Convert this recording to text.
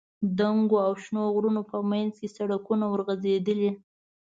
دنګو او شنو غرونو په منځ کې سړکونه ورغځېدلي.